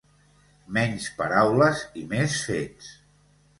Menys paraules i més fets!